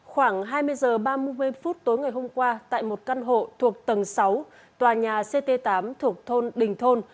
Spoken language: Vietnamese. khoảng hai mươi h ba mươi phút tối ngày hôm qua tại một căn hộ thuộc tầng sáu tòa nhà ct tám thuộc thôn đình thôn